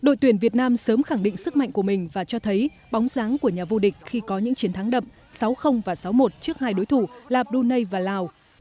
đội tuyển việt nam sớm khẳng định sức mạnh của mình và cho thấy bóng dáng của nhà vô địch khi có những chiến thắng đậm sáu và sáu một trước hai đối thủ là brunei và lào